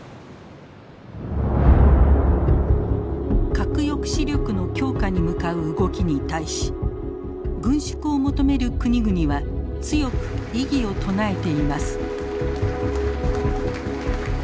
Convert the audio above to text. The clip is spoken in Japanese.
核抑止力の強化に向かう動きに対し軍縮を求める国々は強く異議を唱えています。